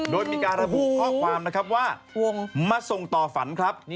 โดยมีการระบุข้อความนะครับว่ามาส่งต่อฝันครับ